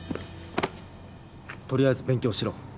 取りあえず勉強しろ。